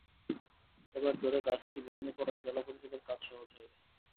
এবার ঝড়ে গাছটি ভেঙে পড়ায় জেলা পরিষদের কাজ সহজ হয়ে গেল।